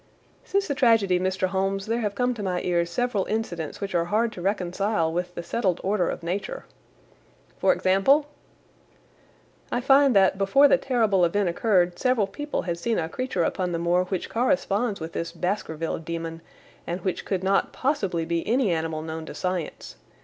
"Since the tragedy, Mr. Holmes, there have come to my ears several incidents which are hard to reconcile with the settled order of Nature." "For example?" "I find that before the terrible event occurred several people had seen a creature upon the moor which corresponds with this Baskerville demon, and which could not possibly be any animal known to science.